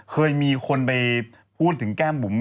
เคยมีคนไปพูดถึงแก้มบุ๋ม